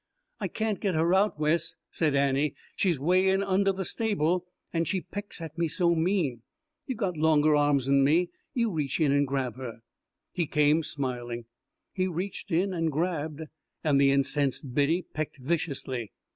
"I can't get her out, Wes," said Annie. "She's 'way in under the stable, and she pecks at me so mean. You got longer arms'n me you reach in and grab her." He came, smiling. He reached in and grabbed, and the incensed biddy pecked viciously.